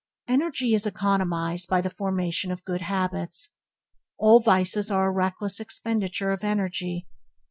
Energy is economized by the formation of good habits. All vices are a reckless expenditure of energy.